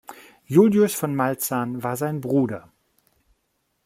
Julius von Maltzan war sein Bruder.